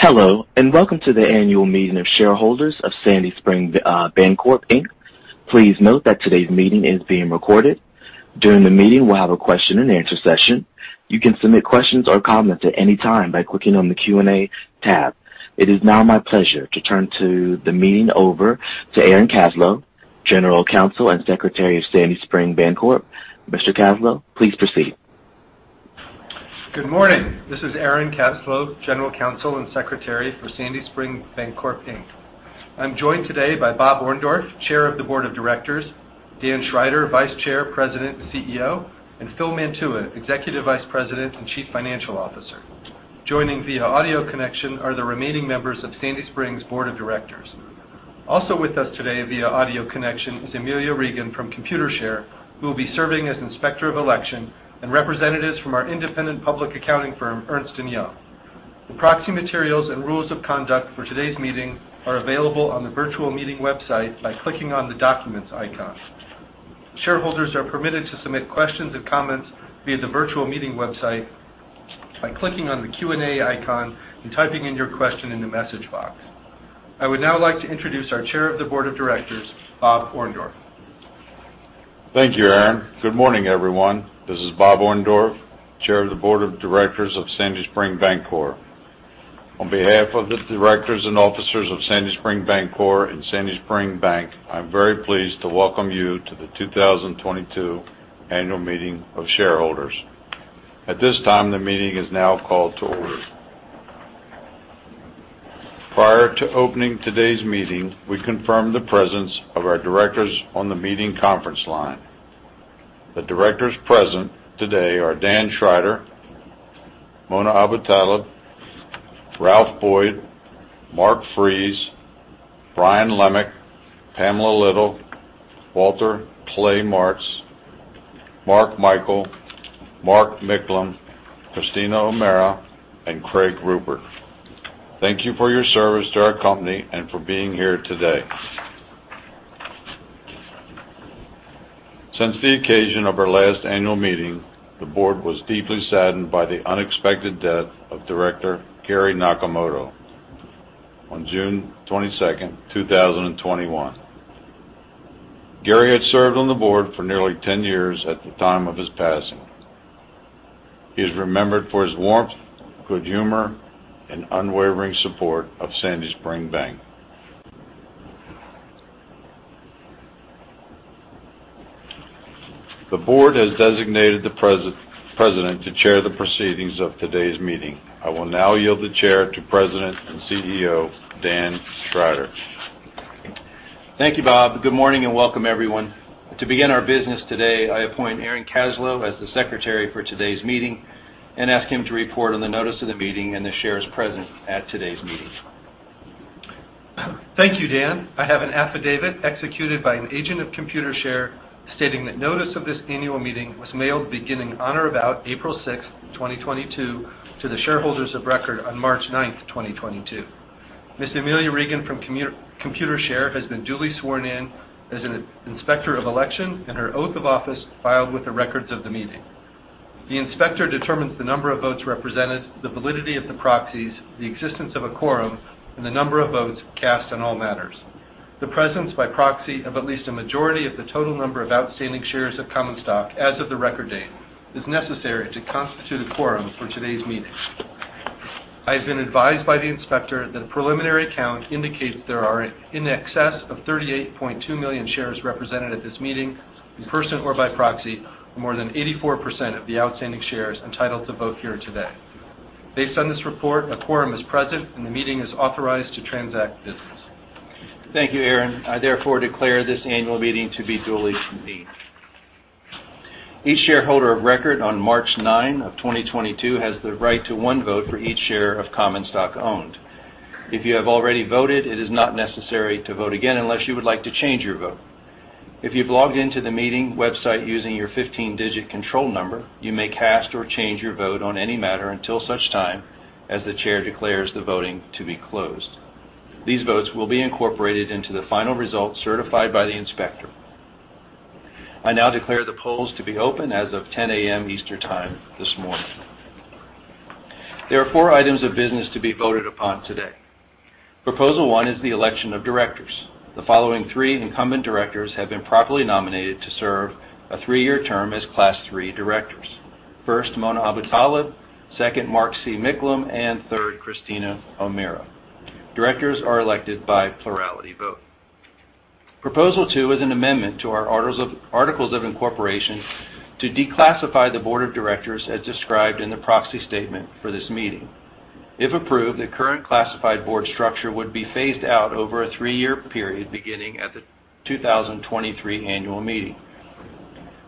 Hello, and welcome to the annual meeting of shareholders of Sandy Spring Bancorp, Inc. Please note that today's meeting is being recorded. During the meeting, we'll have a Q&A session. You can submit questions or comments at any time by clicking on the Q&A tab. It is now my pleasure to turn the meeting over to Aaron Kaslow, General Counsel and Secretary of Sandy Spring Bancorp. Mr. Kaslow, please proceed. Good morning. This is Aaron Kaslow, General Counsel and Secretary for Sandy Spring Bancorp, Inc. I'm joined today by Bob Orndorff, Chair of the Board of Directors, Dan Schrider, Vice Chair, President, and CEO, and Phil Mantua, Executive Vice President and Chief Financial Officer. Joining via audio connection are the remaining members of Sandy Spring's Board of Directors. Also with us today via audio connection is Amilja Regan from Computershare, who will be serving as Inspector of Election and representatives from our independent public accounting firm, Ernst & Young. The proxy materials and rules of conduct for today's meeting are available on the virtual meeting website by clicking on the documents icon. Shareholders are permitted to submit questions and comments via the virtual meeting website by clicking on the Q&A icon and typing in your question in the message box. I would now like to introduce our Chair of the Board of Directors, Bob Orndorff. Thank you, Aaron. Good morning, everyone. This is Bob Orndorff, Chair of the Board of Directors of Sandy Spring Bancorp. On behalf of the directors and officers of Sandy Spring Bancorp and Sandy Spring Bank, I'm very pleased to welcome you to the 2022 annual meeting of shareholders. At this time, the meeting is now called to order. Prior to opening today's meeting, we confirm the presence of our directors on the meeting conference line. The directors present today are Dan Schrider, Mona Abutaleb, Ralph Boyd, Mark Friis, Brian Lemek, Pamela Little, Walter Martz, Mark Michael, Mark Micklem, Christina O'Meara, and Craig Ruppert. Thank you for your service to our company and for being here today. Since the occasion of our last annual meeting, the board was deeply saddened by the unexpected death of Director Gary Nakamoto on June 22, 2021. Gary had served on the board for nearly 10 years at the time of his passing. He is remembered for his warmth, good humor, and unwavering support of Sandy Spring Bank. The board has designated the president to chair the proceedings of today's meeting. I will now yield the chair to President and CEO, Dan Schrider. Thank you, Bob. Good morning and welcome everyone. To begin our business today, I appoint Aaron Kaslow as the secretary for today's meeting and ask him to report on the notice of the meeting and the shares present at today's meeting. Thank you, Dan. I have an affidavit executed by an agent of Computershare stating that notice of this annual meeting was mailed beginning on or about April 6, 2022 to the shareholders of record on March 9, 2022. Ms. Amilja Regan from Computershare has been duly sworn in as an inspector of election and her oath of office filed with the records of the meeting. The inspector determines the number of votes represented, the validity of the proxies, the existence of a quorum, and the number of votes cast on all matters. The presence by proxy of at least a majority of the total number of outstanding shares of common stock as of the record date is necessary to constitute a quorum for today's meeting. I have been advised by the inspector that a preliminary count indicates there are in excess of $38.2 million shares represented at this meeting in-person or by proxy, more than 84% of the outstanding shares entitled to vote here today. Based on this report, a quorum is present, and the meeting is authorized to transact business. Thank you, Aaron. I therefore declare this annual meeting to be duly convened. Each shareholder of record on March 9, 2022 has the right to one vote for each share of common stock owned. If you have already voted, it is not necessary to vote again unless you would like to change your vote. If you've logged into the meeting website using your 15-digit control number, you may cast or change your vote on any matter until such time as the chair declares the voting to be closed. These votes will be incorporated into the final results certified by the inspector. I now declare the polls to be open as of 10 A.M. Eastern Time this morning. There are four items of business to be voted upon today. Proposal one is the election of directors. The following three incumbent directors have been properly nominated to serve a three-year term as class three directors. First, Mona Abutaleb, second, Mark C. Micklem, and third, Christina O'Meara. Directors are elected by plurality vote. Proposal two is an amendment to our articles of incorporation to declassify the board of directors as described in the proxy statement for this meeting. If approved, the current classified board structure would be phased out over a three-year period, beginning at the 2023 annual meeting.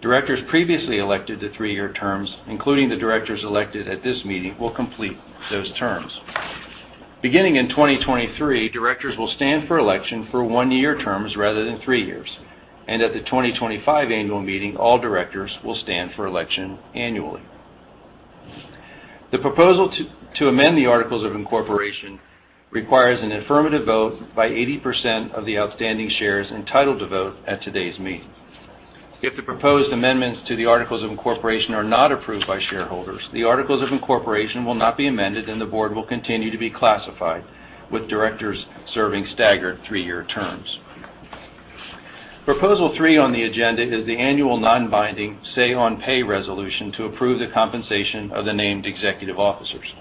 Directors previously elected to three-year terms, including the directors elected at this meeting, will complete those terms. Beginning in 2023, directors will stand for election for one-year terms rather than three years. At the 2025 annual meeting, all directors will stand for election annually. The proposal to amend the articles of incorporation requires an affirmative vote by 80% of the outstanding shares entitled to vote at today's meeting. If the proposed amendments to the articles of incorporation are not approved by shareholders, the articles of incorporation will not be amended, and the board will continue to be classified with directors serving staggered three-year terms. Proposal three on the agenda is the annual non-binding say on pay resolution to approve the compensation of the named executive officers.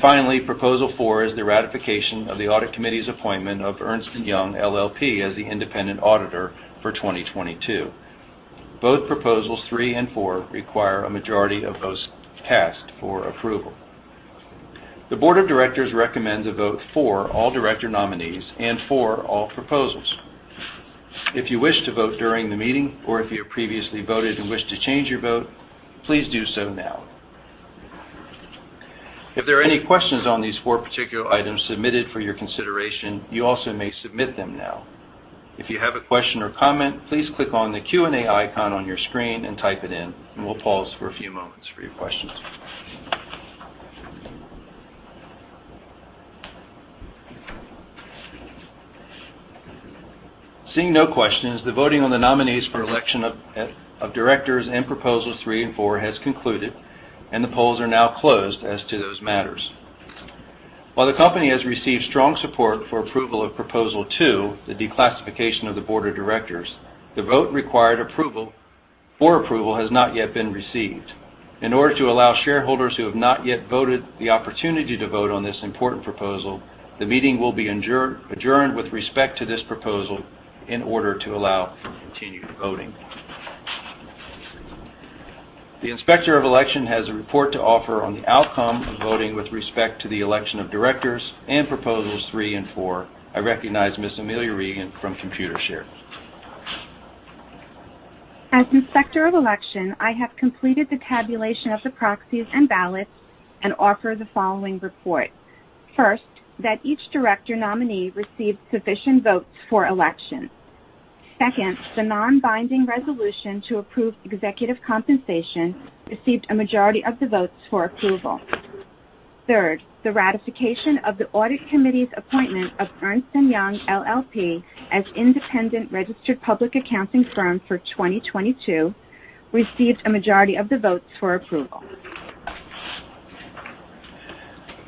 Finally, proposal four is the ratification of the audit committee's appointment of Ernst & Young LLP as the independent auditor for 2022. Both proposals three and four require a majority of votes cast for approval. The board of directors recommend a vote for all director nominees and for all proposals. If you wish to vote during the meeting or if you have previously voted and wish to change your vote, please do so now. If there are any questions on these four particular items submitted for your consideration, you also may submit them now. If you have a question or comment, please click on the Q&A icon on your screen and type it in, and we'll pause for a few moments for your questions. Seeing no questions, the voting on the nominees for election of directors and proposals three and four has concluded, and the polls are now closed as to those matters. While the company has received strong support for approval of Proposal two, the declassification of the board of directors, the vote required approval or approval has not yet been received. In order to allow shareholders who have not yet voted the opportunity to vote on this important proposal, the meeting will be adjourned with respect to this proposal in order to allow continued voting. The Inspector of Election has a report to offer on the outcome of voting with respect to the election of directors and Proposals three and four. I recognize Ms. Amilja Regan from Computershare. As Inspector of Election, I have completed the tabulation of the proxies and ballots and offer the following report. First, that each director nominee received sufficient votes for election. Second, the non-binding resolution to approve executive compensation received a majority of the votes for approval. Third, the ratification of the audit committee's appointment of Ernst & Young LLP as independent registered public accounting firm for 2022 received a majority of the votes for approval.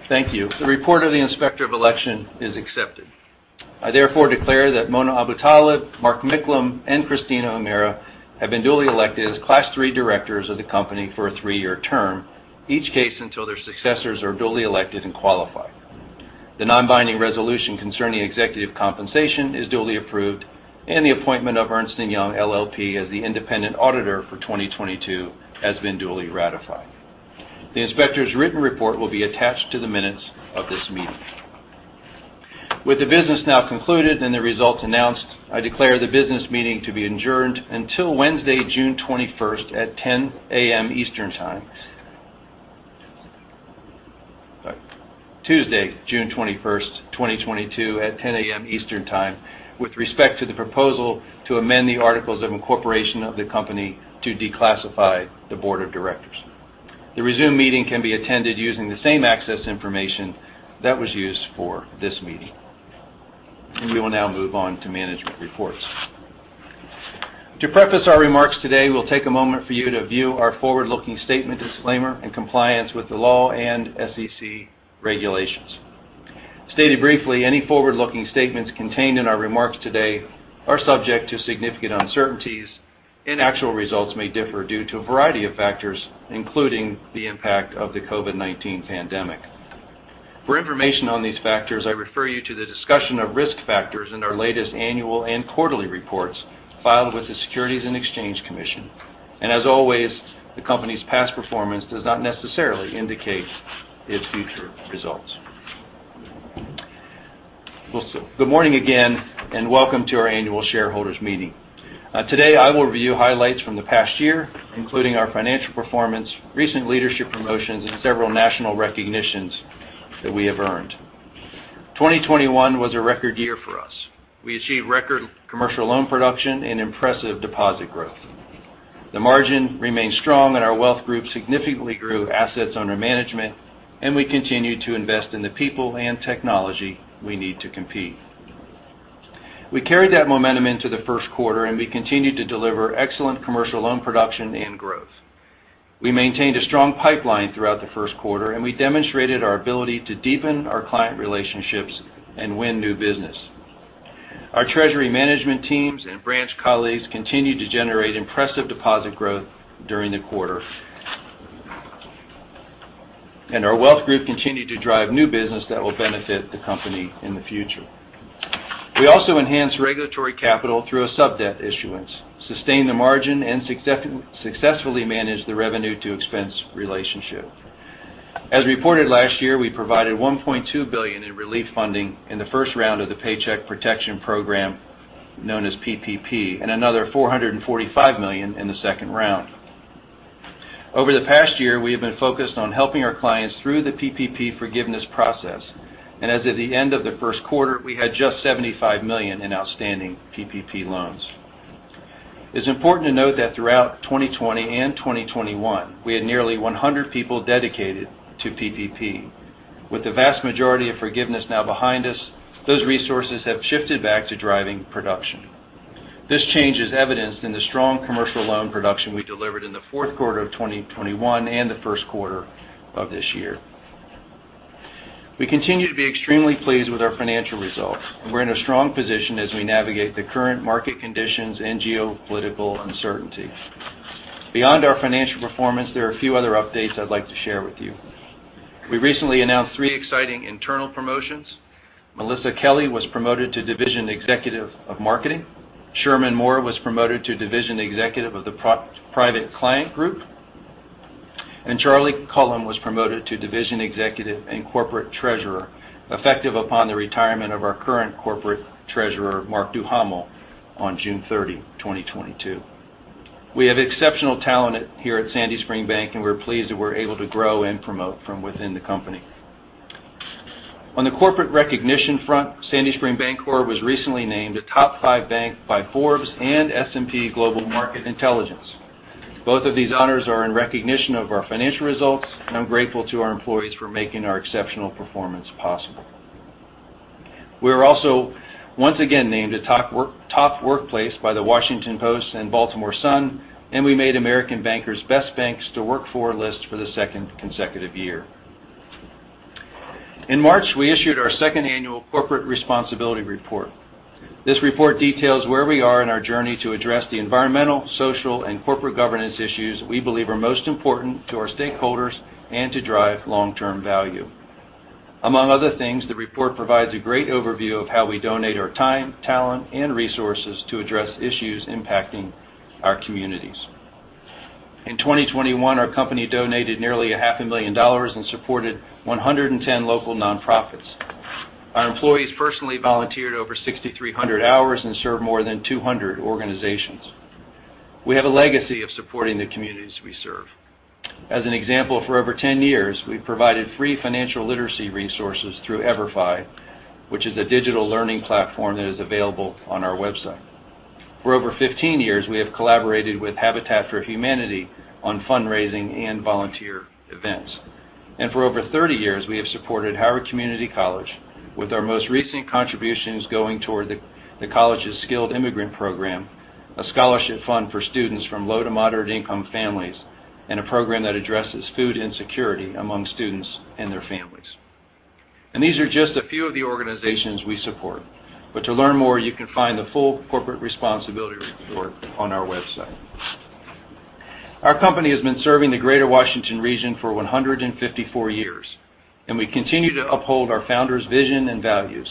Thank you. The report of the Inspector of Election is accepted. I therefore declare that Mona Abutaleb, Mark Micklem, and Christina O'Meara have been duly elected as Class Three directors of the company for a three-year term, each case until their successors are duly elected and qualified. The non-binding resolution concerning executive compensation is duly approved, and the appointment of Ernst & Young LLP as the independent auditor for 2022 has been duly ratified. The inspector's written report will be attached to the minutes of this meeting. With the business now concluded and the results announced, I declare the business meeting to be adjourned until Wednesday, June 21 at 10 A.M. Eastern Time. Tuesday, June 21, 2022 at 10 A.M. Eastern Time with respect to the proposal to amend the articles of incorporation of the company to declassify the board of directors. The resumed meeting can be attended using the same access information that was used for this meeting. We will now move on to management reports. To preface our remarks today, we'll take a moment for you to view our forward-looking statement disclaimer and compliance with the law and SEC regulations. Stated briefly, any forward-looking statements contained in our remarks today are subject to significant uncertainties, and actual results may differ due to a variety of factors, including the impact of the COVID-19 pandemic. For information on these factors, I refer you to the discussion of risk factors in our latest annual and quarterly reports filed with the Securities and Exchange Commission. As always, the company's past performance does not necessarily indicate its future results. Well, good morning again and welcome to our annual shareholders meeting. Today, I will review highlights from the past year, including our financial performance, recent leadership promotions, and several national recognitions that we have earned. 2021 was a record year for us. We achieved record commercial loan production and impressive deposit growth. The margin remained strong, and our wealth group significantly grew assets under management, and we continued to invest in the people and technology we need to compete. We carried that momentum into the Q1, and we continued to deliver excellent commercial loan production and growth. We maintained a strong pipeline throughout the Q1, and we demonstrated our ability to deepen our client relationships and win new business. Our treasury management teams and branch colleagues continued to generate impressive deposit growth during the quarter. Our wealth group continued to drive new business that will benefit the company in the future. We also enhanced regulatory capital through a sub-debt issuance, sustained the margin, and successfully managed the revenue to expense relationship. As reported last year, we provided $1.2 billion in relief funding in the first round of the Paycheck Protection Program, known as PPP, and another $445 million in the second round. Over the past year, we have been focused on helping our clients through the PPP forgiveness process. As of the end of the Q1, we had just $75 million in outstanding PPP loans. It's important to note that throughout 2020 and 2021, we had nearly 100 people dedicated to PPP. With the vast majority of forgiveness now behind us, those resources have shifted back to driving production. This change is evidenced in the strong commercial loan production we delivered in the Q4 of 2021 and the Q1 of this year. We continue to be extremely pleased with our financial results, and we're in a strong position as we navigate the current market conditions and geopolitical uncertainty. Beyond our financial performance, there are a few other updates I'd like to share with you. We recently announced three exciting internal promotions. Melissa Kelly was promoted to Division Executive of Marketing. Sherman Moore was promoted to Division Executive of the Private Client Group. Charlie Cullum was promoted to Division Executive and Corporate Treasurer, effective upon the retirement of our current corporate treasurer, Mark Duhamel, on June 30, 2022. We have exceptional talent here at Sandy Spring Bank, and we're pleased that we're able to grow and promote from within the company. On the corporate recognition front, Sandy Spring Bancorp was recently named a top five bank by Forbes and S&P Global Market Intelligence. Both of these honors are in recognition of our financial results, and I'm grateful to our employees for making our exceptional performance possible. We are also once again named a top workplace by the Washington Post and Baltimore Sun, and we made American Banker's Best Banks to Work For list for the second consecutive year. In March, we issued our second annual corporate responsibility report. This report details where we are in our journey to address the environmental, social, and governance issues we believe are most important to our stakeholders and to drive long-term value. Among other things, the report provides a great overview of how we donate our time, talent, and resources to address issues impacting our communities. In 2021, our company donated nearly a half a million dollars and supported 110 local nonprofits. Our employees personally volunteered over 6,300 hours and served more than 200 organizations. We have a legacy of supporting the communities we serve. As an example, for over 10 years, we've provided free financial literacy resources through EVERFI, which is a digital learning platform that is available on our website. For over 15 years, we have collaborated with Habitat for Humanity on fundraising and volunteer events. For over 30 years, we have supported Howard Community College with our most recent contributions going toward the college's Skilled Immigrant Program, a scholarship fund for students from low to moderate-income families, and a program that addresses food insecurity among students and their families. These are just a few of the organizations we support. To learn more, you can find the full corporate responsibility report on our website. Our company has been serving the Greater Washington region for 154 years, and we continue to uphold our founder's vision and values.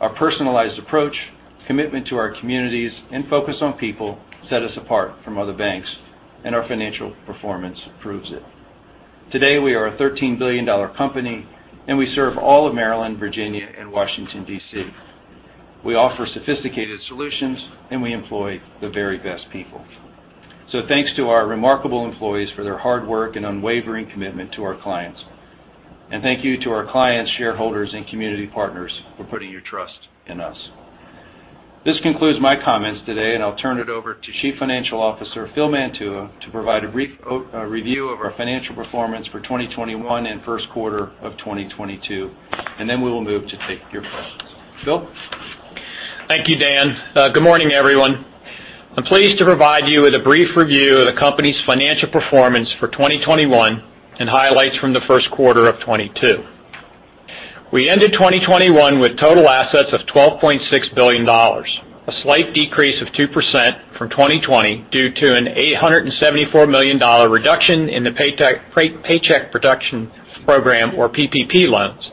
Our personalized approach, commitment to our communities, and focus on people set us apart from other banks, and our financial performance proves it. Today, we are a $13 billion company, and we serve all of Maryland, Virginia, and Washington, D.C. We offer sophisticated solutions, and we employ the very best people. Thanks to our remarkable employees for their hard work and unwavering commitment to our clients. Thank you to our clients, shareholders, and community partners for putting your trust in us. This concludes my comments today, and I'll turn it over to Chief Financial Officer Phil Mantua to provide a brief review of our financial performance for 2021 and Q1 of 2022, and then we will move to take your questions. Phil? Thank you, Dan. Good morning, everyone. I'm pleased to provide you with a brief review of the company's financial performance for 2021 and highlights from the Q1 of 2022. We ended 2021 with total assets of $12.6 billion, a slight decrease of 2% from 2020 due to an $874 million reduction in the Paycheck Protection Program or PPP loans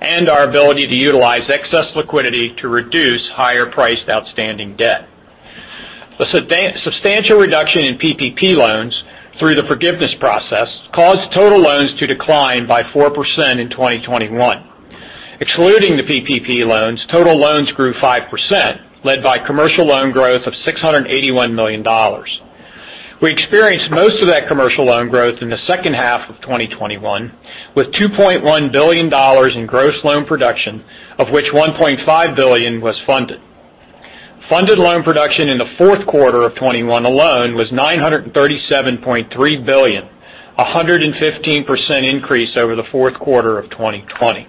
and our ability to utilize excess liquidity to reduce higher-priced outstanding debt. The substantial reduction in PPP loans through the forgiveness process caused total loans to decline by 4% in 2021. Excluding the PPP loans, total loans grew 5%, led by commercial loan growth of $681 million. We experienced most of that commercial loan growth in the second half of 2021, with $2.1 billion in gross loan production, of which $1.5 billion was funded. Funded loan production in the Q4 of 2021 alone was $937.3 million, a 115% increase over the Q4 of 2020.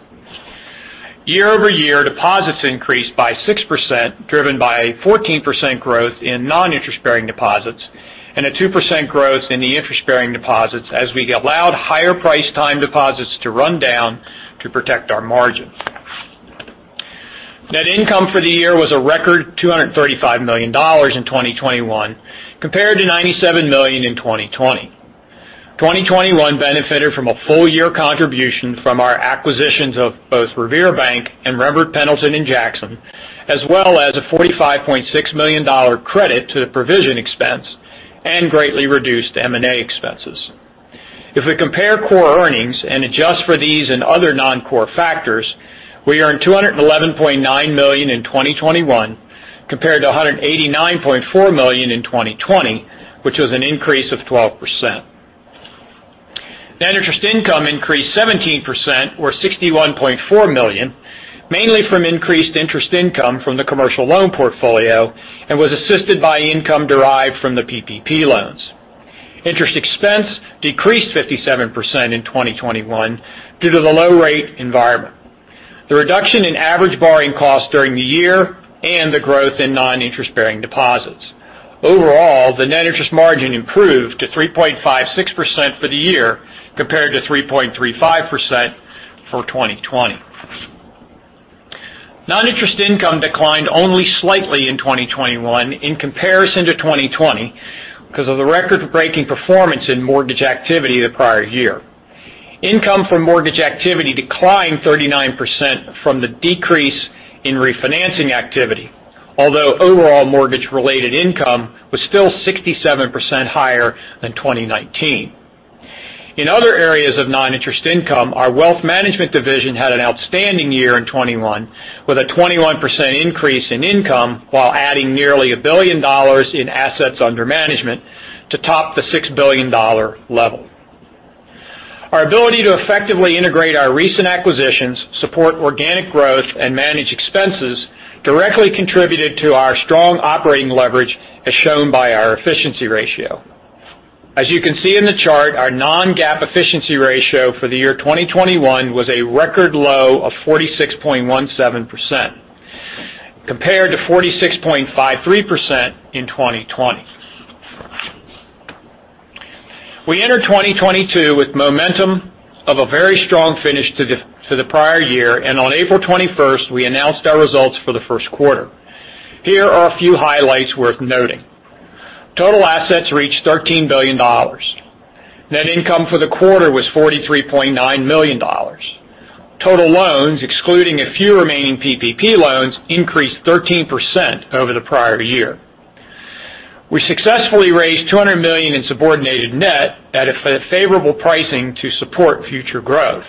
Year-over-year, deposits increased by 6%, driven by a 14% growth in non-interest-bearing deposits and a 2% growth in the interest-bearing deposits as we allowed higher-priced time deposits to run down to protect our margins. Net income for the year was a record $235 million in 2021 compared to $97 million in 2020. 2021 benefited from a full-year contribution from our acquisitions of both Revere Bank and Rembert Pendleton Jackson, as well as a $45.6 million credit to the provision expense and greatly reduced M&A expenses. If we compare core earnings and adjust for these and other non-core factors, we earned $211.9 million in 2021 compared to $189.4 million in 2020, which was an increase of 12%. Net interest income increased 17% or $61.4 million, mainly from increased interest income from the commercial loan portfolio and was assisted by income derived from the PPP loans. Interest expense decreased 57% in 2021 due to the low rate environment. The reduction in average borrowing costs during the year and the growth in non-interest-bearing deposits. Overall, the net interest margin improved to 3.56% for the year compared to 3.35% for 2020. Non-interest income declined only slightly in 2021 in comparison to 2020 because of the record-breaking performance in mortgage activity the prior year. Income from mortgage activity declined 39% from the decrease in refinancing activity. Although overall mortgage-related income was still 67% higher than 2019. In other areas of non-interest income, our wealth management division had an outstanding year in 2021 with a 21% increase in income while adding nearly $1 billion in assets under management to top the $6 billion level. Our ability to effectively integrate our recent acquisitions, support organic growth and manage expenses directly contributed to our strong operating leverage as shown by our efficiency ratio. As you can see in the chart, our non-GAAP efficiency ratio for the year 2021 was a record low of 46.17% compared to 46.53% in 2020. We entered 2022 with momentum of a very strong finish to the prior year. On April 21st, we announced our results for the Q1. Here are a few highlights worth noting. Total assets reached $13 billion. Net income for the quarter was $43.9 million. Total loans, excluding a few remaining PPP loans, increased 13% over the prior year. We successfully raised $200 million in subordinated debt at a favorable pricing to support future growth.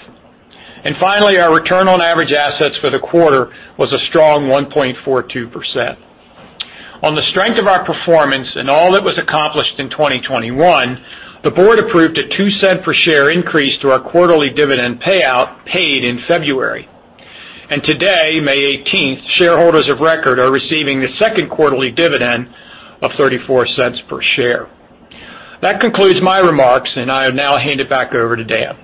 Finally, our return on average assets for the quarter was a strong 1.42%. On the strength of our performance and all that was accomplished in 2021, the board approved a $0.02 per share increase to our quarterly dividend payout paid in February. Today, May 18, shareholders of record are receiving the second quarterly dividend of $0.34 per share. That concludes my remarks, and I now hand it back over to Dan.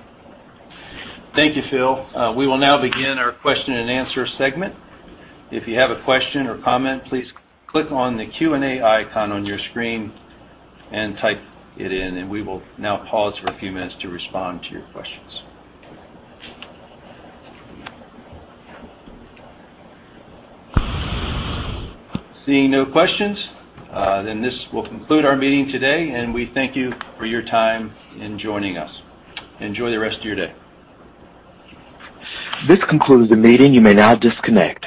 Thank you, Phil. We will now begin our Q&A segment. If you have a question or comment, please click on the Q&A icon on your screen and type it in, and we will now pause for a few minutes to respond to your questions. Seeing no questions, then this will conclude our meeting today, and we thank you for your time in joining us. Enjoy the rest of your day. This concludes the meeting. You may now disconnect.